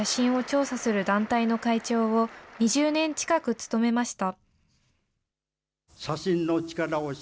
被爆直後の写真を調査する団体の会長を２０年近く務めました。